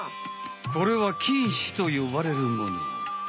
これは菌糸とよばれるもの。